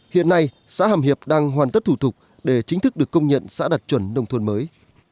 hiện nay xã hàm hiệp đang hoàn tất thủ tục để chính thức được công nhận xã đạt chuẩn nông thôn mới